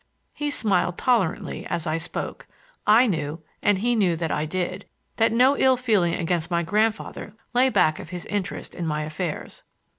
He smiled tolerantly as I spoke. I knew—and he knew that I did—that no ill feeling against my grandfather lay back of his interest in my affairs.